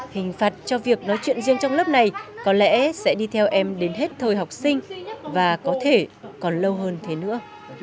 hình phạt cho việc nói chuyện riêng trong lớp này có lẽ sẽ đi theo em đến hết thời học sinh và có thể còn lâu hơn thế nữa